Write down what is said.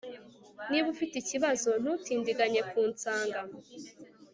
Niba ufite ikibazo ntutindiganye kunsanga